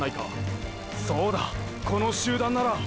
そうだこの集団なら。